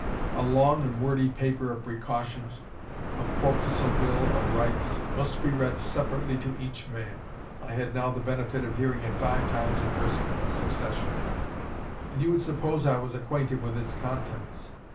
A long and wordy paper of precautions, a fo'c's'le bill of rights, must be read separately to each man. I had now the benefit of hearing it five times in brisk succession; and you would suppose I was acquainted with its contents.